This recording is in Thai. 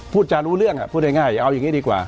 พูดจารู้เรื่องพูดง่ายเอาอย่างนี้ดีกว่า